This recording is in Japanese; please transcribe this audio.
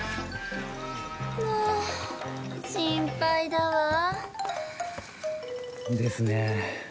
もう心配だわ。ですね。